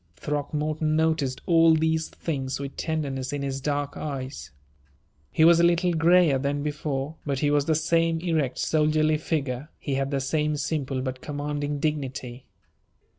Throckmorton noticed all these things with tenderness in his dark eyes. He was a little grayer than before, but he was the same erect, soldierly figure; he had the same simple but commanding dignity.